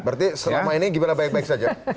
berarti selama ini gimana baik baik saja